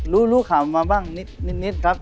รู้รู้ความมาบ้างนิดครับ